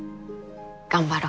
頑張ろ。